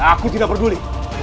aku tidak peduli